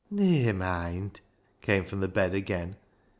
" Ne'er moind," came from the bed again.